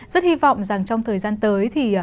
rất hy vọng rằng trong thời gian tới thì